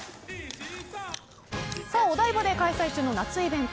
お台場で開催中の夏イベント